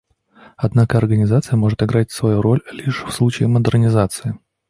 Однако Организация может играть свою роль лишь в случае модернизации.